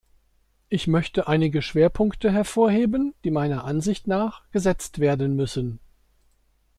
Ich möchte einige Schwerpunkte hervorheben, die meiner Ansicht nach gesetzt werden müssen.